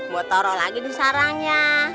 mbok torol lagi di sarangnya